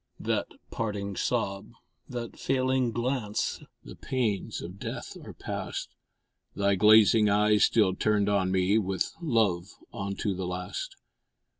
That parting sob, that failing glance The pains of death are past! Thy glazing eyes still turned on me With love unto the last!